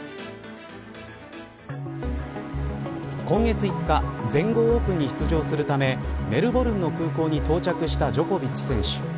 今月５日全豪オープンに出場するためメルボルンの空港に到着したジョコビッチ選手。